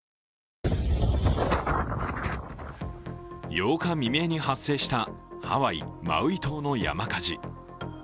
８日未明に発生したハワイ・マウイ島の山火事。